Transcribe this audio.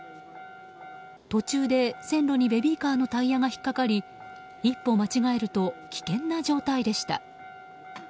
途中で、線路にベビーカーのタイヤが引っかかり一歩間違えると危険な状態でした。